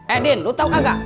edin lu tau kagak